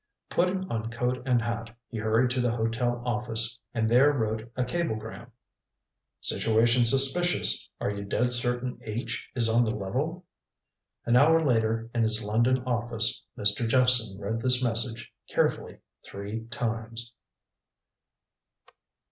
Putting on coat and hat, he hurried to the hotel office and there wrote a cablegram: "Situation suspicious are you dead certain H. is on the level?" An hour later, in his London office, Mr. Jephson read this message carefully three times.